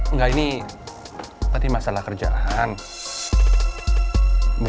enggak ini tadi masalah kerjaan